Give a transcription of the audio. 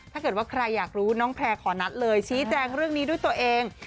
ถ้าเกิดว่าใครอยากรู้น้องแพร่ขอนัดเลยชี้แจงเรื่องนี้ด้วยตัวเอง